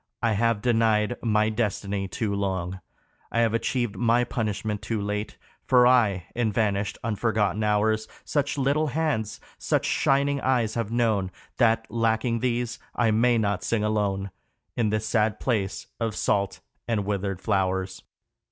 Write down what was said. I have denied my destiny too long, I have achieved my punishment too late ; For I, in vanished, unforgotten hours, Such little hands, such shining eyes, have known, That, lacking these, I may not sing alone In this sad place of salt and withered flowers.